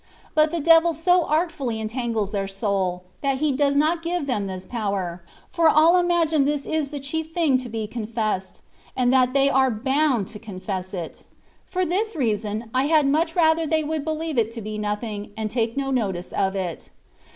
But the devil so artfully entangles their soul — that he does not give them this power, for all imagine this is the chief thing to be confessed, and that they are bound to confess it. For this reason, I had much rather they woTild believe it to be nothing, and take no notice of it.